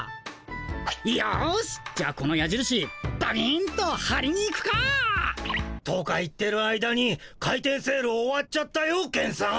よしじゃあこのやじるしバビンとはりに行くか。とか言ってる間に開店セール終わっちゃったよケンさん。